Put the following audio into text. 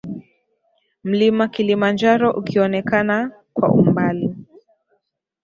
Mlima Kilimanjaro ukionekana kwa mbali